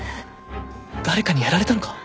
誰かにやられたのか？